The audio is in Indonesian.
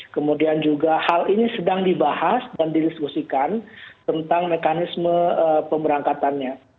kemudian juga hal ini sedang dibahas dan didiskusikan tentang mekanisme pemberangkatannya